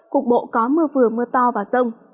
cục bộ có mưa vừa mưa to và rông